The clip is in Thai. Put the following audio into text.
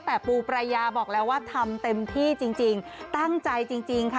แต่ปูปรายาบอกแล้วว่าทำเต็มที่จริงตั้งใจจริงค่ะ